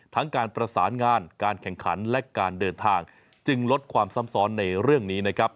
การประสานงานการแข่งขันและการเดินทางจึงลดความซ้ำซ้อนในเรื่องนี้นะครับ